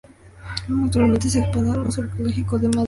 Actualmente se expone en el museo arqueológico de Madrid.